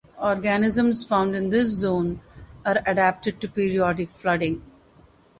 Organisms found in this zone are adapted to periodic flooding.